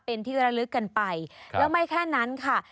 เป็นที่ระลึกกันไปแล้วไม่แค่นั้นค่ะ